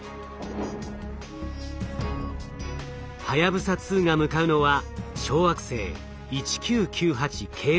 はやぶさ２が向かうのは小惑星１９９８ＫＹ２６。